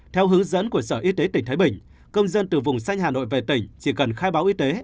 theo hướng dẫn của sở y tế tỉnh thái bình công dân từ vùng xanh hà nội về tỉnh chỉ cần khai báo y tế